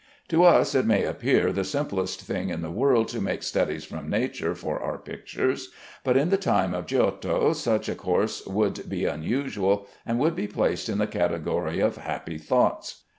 To us it may appear the simplest thing in the world to make studies from nature for our pictures, but in the time of Giotto such a course would be unusual, and would be placed in the category of happy thoughts.